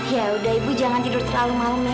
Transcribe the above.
yaudah ibu jangan tidur terlalu malam ya